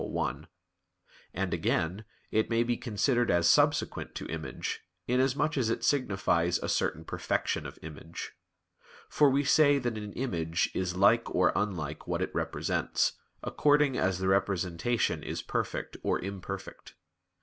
1): and, again, it may be considered as subsequent to image, inasmuch as it signifies a certain perfection of image. For we say that an image is like or unlike what it represents, according as the representation is perfect or imperfect.